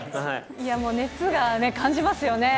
熱がね、感じますよね。